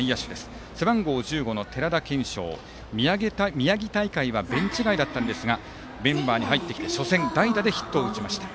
背番号１５の寺田賢生は宮城大会はベンチ外でしたがメンバーに入ってきて初戦代打でヒットを打ちました。